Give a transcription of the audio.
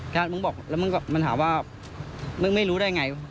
แล้วมึงถามว่าไม่รู้ได้อย่างไร